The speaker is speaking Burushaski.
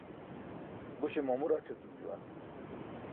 Buśe mamu rac̣ etum juwan.